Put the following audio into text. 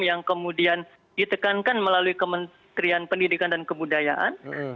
yang kemudian ditekankan melalui kementerian pendidikan dan kebudayaan